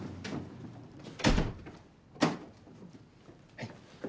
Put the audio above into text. はい。